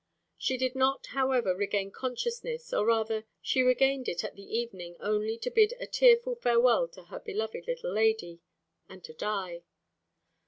She did not, however, regain consciousness, or rather she regained it at the evening only to bid a tearful farewell to her beloved little lady, and to die.